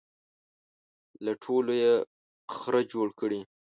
له ټولو یې خره جوړ کړي.